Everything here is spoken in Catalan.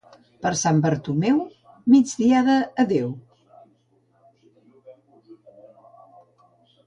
Per Sant Bartomeu, migdiada adeu.